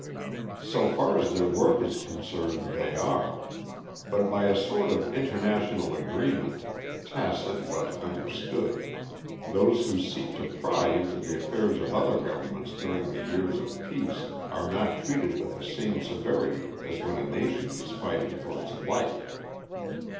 "So far as their work is concerned they are. But by a sort of international agreement, tacit but understood, those who seek to pry into the affairs of other governments during the years of peace are not treated with the same severity as when a nation is fighting for its life."